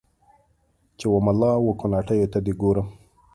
چې و مـــلا و کوناټیــــو ته دې ګورم